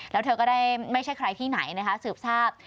แล้วเธอก็ได้ไม่ใช่ใครที่ไหนนะคะสืบทราบ